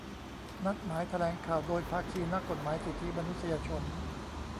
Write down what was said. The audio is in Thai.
นัดหมายแถลงข่าว โดยภาคีนักกฎหมายสิทธิมนุษยชน